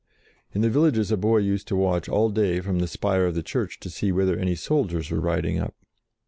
In the villages a boy used to watch all day, from the spire of the church, to see whether any soldiers were riding up.